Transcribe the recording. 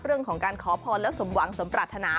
เรื่องของการขอพรและสมหวังสมปรารถนา